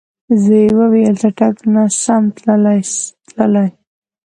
زوی یې وویل چټک نه سمه تللای